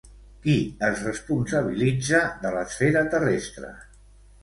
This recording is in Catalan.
Qui es responsabilitza de l'esfera terrestre?